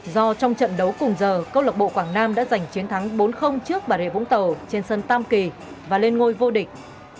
do trong trận đấu cùng giờ câu lộc bộ quảng nam đã giành chiến thắng bốn trước bà rịa vũng tàu trên sân tam kỳ và lên ngôi vô địch